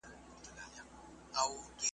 دا سرکښه دا مغروره `